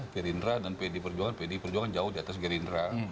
gerindra dan pd perjuangan pdi perjuangan jauh di atas gerindra